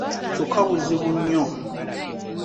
Kyokka buzibu nnyo.